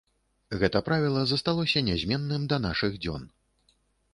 Гэта правіла засталося нязменным да нашых дзён.